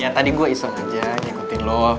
ya tadi gue iseng aja ngikutin lo